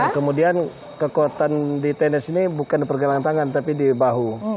kemudian kekuatan di tenis ini bukan di pergelangan tangan tapi di bahu